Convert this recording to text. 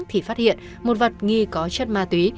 thì phát hiện một vật nghi có chất ma túy